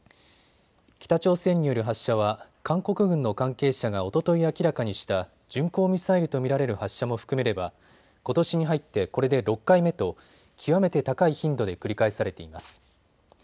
北朝鮮による発射は韓国軍の関係者がおととい明らかにした巡航ミサイルと見られる発射も含めればことしに入ってこれで６回目と極めて高い頻度で繰り返されています。